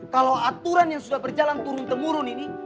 kalau aturan yang sudah berjalan turun temurun ini